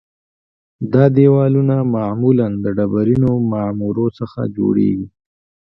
دا دیوالونه معمولاً د ډبرینو معمورو څخه جوړیږي